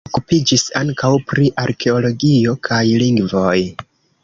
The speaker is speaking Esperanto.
Li okupiĝis ankaŭ pri arkeologio kaj lingvoj.